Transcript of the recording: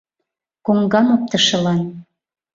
Коҥгам оптышылан.